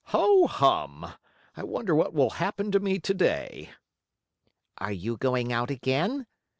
"Ho, hum! I wonder what will happen to me to day?" "Are you going out again?"